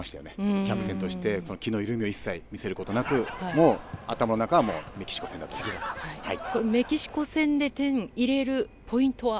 キャプテンとして気が緩むことなく頭の中はもうメキシコ戦で点を入れるポイントは？